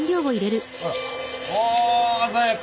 あ鮮やか！